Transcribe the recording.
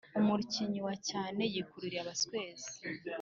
Umukunnyi wa cyane yikururiye abaswezi (Umukunnyi yaruhiye umuswezi).